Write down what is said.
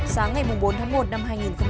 sáng ngày bốn tháng một năm hai nghìn một mươi sáu